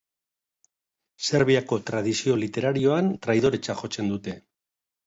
Serbiako tradizio literarioan traidoretzat jotzen dute.